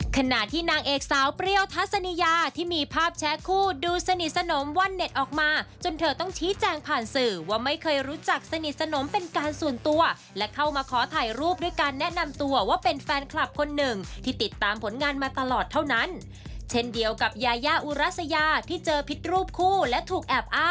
ขณะที่นางเอกสาวเปรี้ยวทัศนียาที่มีภาพแชร์คู่ดูสนิทสนมวันเน็ตออกมาจนเธอต้องชี้แจงผ่านสื่อว่าไม่เคยรู้จักสนิทสนมเป็นการส่วนตัวและเข้ามาขอถ่ายรูปด้วยการแนะนำตัวว่าเป็นแฟนคลับคนหนึ่งที่ติดตามผลงานมาตลอดเท่านั้นเช่นเดียวกับยายาอุรัสยาที่เจอพิษรูปคู่และถูกแอบอ้า